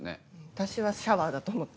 私はシャワーだと思った。